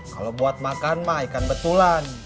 kalau buat makan mah ikan betulan